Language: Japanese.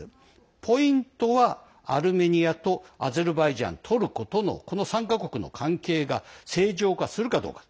ポイントはアルメニアとアゼルバイジャントルコとの、この３か国の関係が正常化するかどうか。